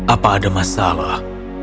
apa ada masalah